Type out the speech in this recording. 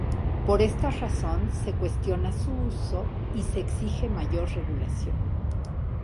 Por esta razón se cuestiona su uso y se exige mayor regulación.